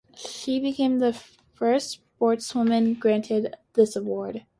She became the first sportswoman granted this award.